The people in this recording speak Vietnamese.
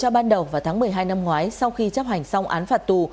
ban đầu vào tháng một mươi hai năm ngoái sau khi chấp hành xong án phạt tù